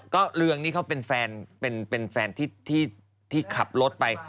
ก็เรื่องนี้เขาเป็นแฟนที่ขับรถไป